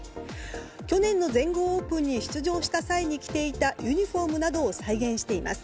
去年の全豪オープンに出場した際に着ていたユニホームなどを再現しています。